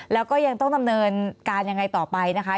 แล้วก็ยังต้องดำเนินการยังไงต่อไปนะคะ